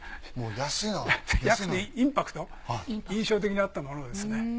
安くてインパクト印象的だったものですね。